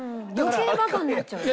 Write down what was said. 余計バカになっちゃうよね。